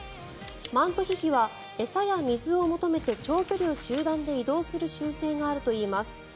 マントヒヒは餌や水を求めて長距離を集団で移動する習性があります。